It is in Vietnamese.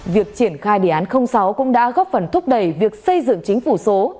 việc triển khai đề án sáu cũng đã góp phần thúc đẩy việc xây dựng chính phủ số